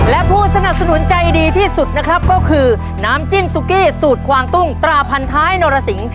และผู้สนับสนุนใจดีที่สุดนะครับน้ำจิ้มซุกิสูดควางตุ้งตราผันท้ายหนอรสิห์